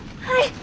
はい！